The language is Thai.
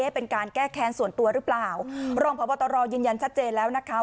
เป็นการแก้แค้นส่วนตัวหรือเปล่ารองพบตรยืนยันชัดเจนแล้วนะคะ